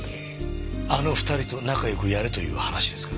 あの２人と仲良くやれという話ですか？